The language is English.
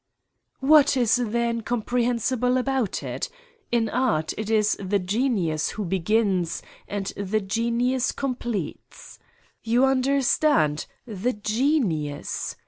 " "What is there incomprehensible about it 7 In art it is the genius who begins and the genius com pletes. You understand: the genius!